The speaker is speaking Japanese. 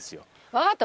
わかった。